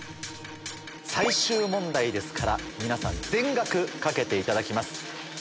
最終問題ですから皆さん全額賭けていただきます。